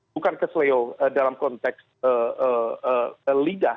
bukan keseleo dalam konteks lidah